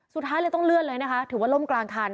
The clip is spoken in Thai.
สุดท้ายเลยต้องเลื่อนเลยนะคะถือว่าล่มกลางคัน